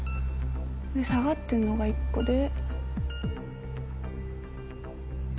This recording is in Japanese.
で下がってるのが１個で。